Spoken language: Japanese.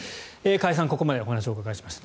加谷さん、ここまでお話を伺いました。